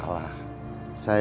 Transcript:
kamu lagi punya masalah ya